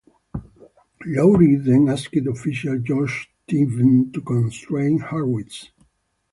Lowry then asked official Josh Tiven to constrain Horwitz.